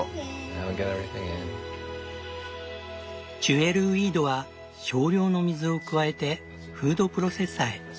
Ｔｈａｎｋｙｏｕ．ジュエルウィードは少量の水を加えてフードプロセッサーへ。